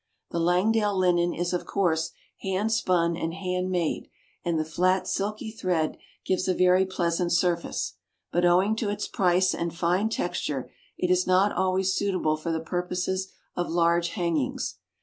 The Langdale linen is, of course, hand spun and hand made, and the flat silky thread gives a very pleasant surface; but, owing to its price and fine texture, it is not always suitable for the purposes of large hangings.